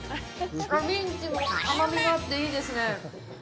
ミンチも甘みがあっていいですね。